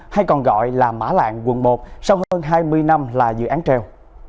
hay còn gọi là mã lạng quận một sau hơn hai mươi năm là dự án treo